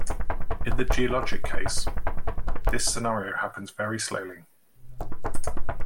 In the geologic case, this scenario happens very slowly.